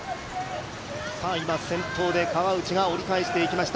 今、先頭で川内が折り返していきました。